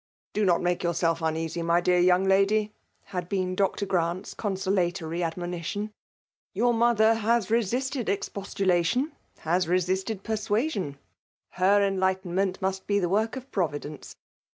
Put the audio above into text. ''Do not make yourself unea8y> my deat young lady/' had been Dr. Grant's consolatory admonition. '* Your mother has resisted ex postulation, has resisted persuasion; her en lightenment must be the work of Providence